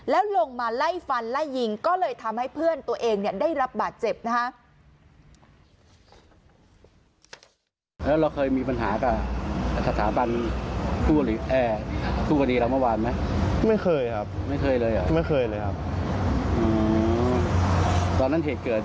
แล้วลงมาไล่ฟันไล่ยิงก็เลยทำให้เพื่อนตัวเองได้รับบาดเจ็บนะฮะ